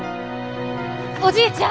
おじいちゃん！